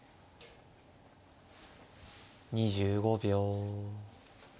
２５秒。